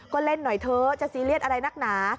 ก็เล่นหน่อยเถอะจะซีเรียสอะไรนักหนา